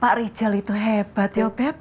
pak rijal itu hebat ya beb